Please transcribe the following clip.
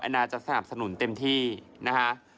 นานาจะสนับสนุนเต็มที่นะคะ